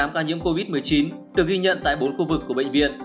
hai mươi tám ca nhiễm covid một mươi chín được ghi nhận tại bốn khu vực của bệnh viện